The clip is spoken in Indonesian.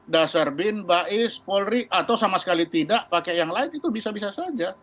dasar bin bais polri atau sama sekali tidak pakai yang lain itu bisa bisa saja